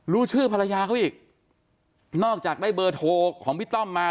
รู้ชื่อภรรยาเขาอีกนอกจากได้เบอร์โทรของพี่ต้อมมา